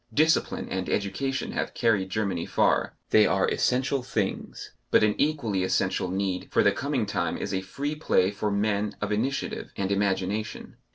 Discipline and education have carried Germany far; they are essential things, but an equally essential need for the coming time is a free play for men of initiative and imagination.